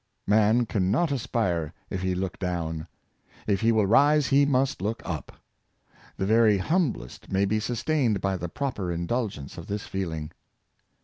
Man can not aspire if he look down; if he will rise, he must look up. The very humblest may be sustained by the proper indul gence of this feeling.